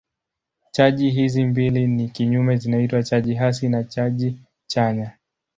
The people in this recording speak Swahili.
Chaji hizi mbili ni kinyume zinaitwa chaji hasi na chaji chanya.